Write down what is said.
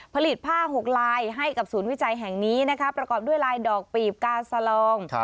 ผลิตผ้า๖ลายให้กับศูนย์วิจัยแห่งนี้นะคะประกอบด้วยลายดอกปีบกาสลอง